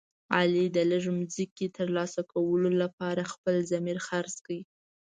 علي د لږ ځمکې تر لاسه کولو لپاره خپل ضمیر خرڅ کړ.